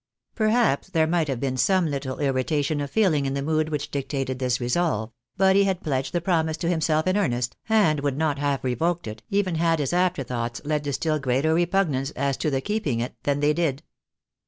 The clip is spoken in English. Perhaps there might have been some little irritation of feeUng in the mood which dictated this resolve ; but he had pledged the promise to himself in earnest, and would not have revoked it, even had his after thoughts led to still greater repugnance as to the keep ing it than they did.